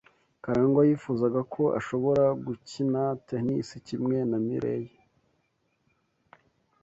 Karangwa yifuzaga ko ashobora gukina tennis kimwe na Mirelle.